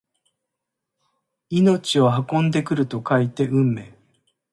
命を運んでくると書いて運命！